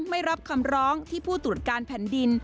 ไม่รับคำร้องที่ผู้ตรวจการแผ่นดิน